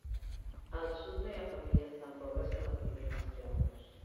Al Sud no hi ha famílies tan pobres que no tinguin esclaus.